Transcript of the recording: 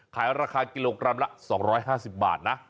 ขายราคากิโลกรัมละ๒๕๐บาทนะ